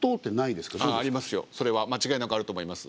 それは間違いなくあると思います。